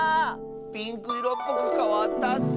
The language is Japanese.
ピンクいろっぽくかわったッス！